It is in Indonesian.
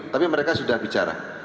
tapi mereka sudah bicara